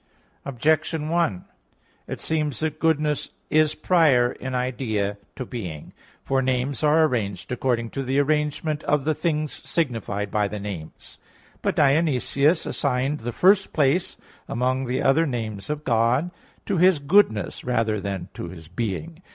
Objection 1: It seems that goodness is prior in idea to being. For names are arranged according to the arrangement of the things signified by the names. But Dionysius (Div. Nom. iii) assigned the first place, amongst the other names of God, to His goodness rather than to His being.